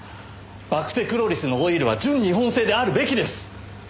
バクテクロリスのオイルは純日本製であるべきです！